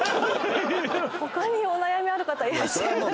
ほかにお悩みある方いらっしゃいます？